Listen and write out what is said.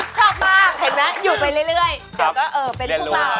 ชอบมากเห็นไหมอยู่ไปเรื่อยเดี๋ยวก็เออเป็นผู้เรา